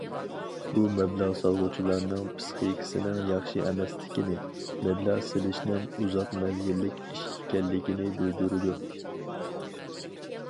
بۇ مەبلەغ سالغۇچىلارنىڭ پىسخىكىسىنىڭ ياخشى ئەمەسلىكىنى، مەبلەغ سېلىشنىڭ ئۇزاق مەزگىللىك ئىش ئىكەنلىكىنى بىلدۈرىدۇ.